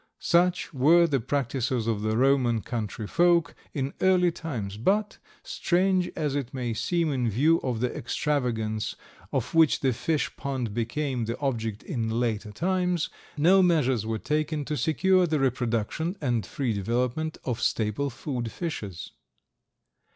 Such were the practices of the Roman country folk in early times, but, strange as it may seem in view of the extravagance of which the fish pond became the object in later times, no measures were taken to secure the reproduction and free development of staple food fishes.